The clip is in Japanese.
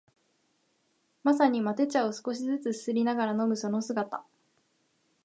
まさにマテ茶を少しづつすすりながら飲むその姿